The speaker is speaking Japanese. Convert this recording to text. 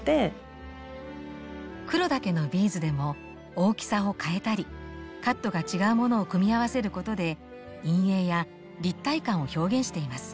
黒だけのビーズでも大きさを変えたりカットが違うものを組み合わせることで陰影や立体感を表現しています。